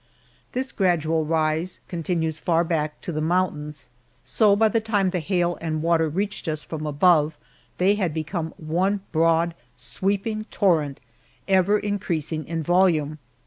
This gradual rise continues far back to the mountains, so by the time the hail and water reached us from above they had become one broad, sweeping torrent, ever increasing in volume.